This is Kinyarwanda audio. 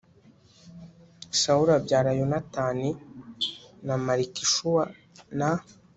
Sawuli abyara Yonatani na Malikishuwa na